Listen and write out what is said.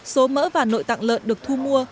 số mỡ và nội tạng lợn được thu mua